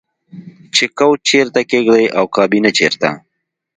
چې کوچ چیرته کیږدئ او کابینه چیرته